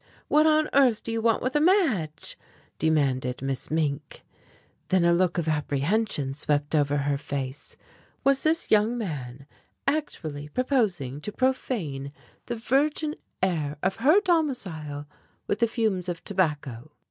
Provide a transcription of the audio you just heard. What on earth do you want with a match?" demanded Miss Mink. Then a look of apprehension swept over her face. Was this young man actually proposing to profane the virgin air of her domicile with the fumes of tobacco?